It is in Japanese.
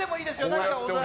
何かお題。